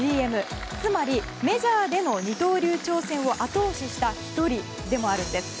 つまり、メジャーでの二刀流挑戦を後押しした１人でもあるんです。